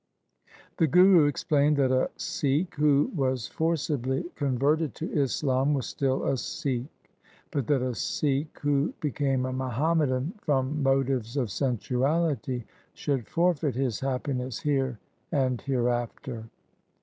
The Guru explained that a Sikh who was forcibly converted to Islam was still a Sikh, but that a Sikh who became a Muhammadan from motives of sensuality, should forfeit his happiness here and hereafter.